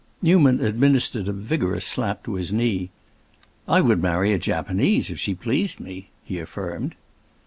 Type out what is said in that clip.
Newman administered a vigorous slap to his knee. "I would marry a Japanese, if she pleased me," he affirmed.